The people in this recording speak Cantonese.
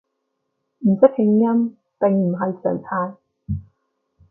唔識拼音並唔係常態